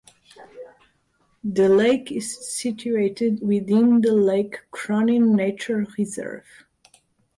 The lake is situated within the Lake Cronin Nature Reserve.